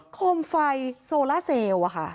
โคมไฟโซล่าเซลล์อะค่ะ